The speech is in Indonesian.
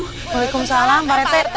waalaikumsalam mbak rete